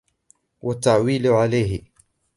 وَالتَّعْوِيلُ عَلَيْهِ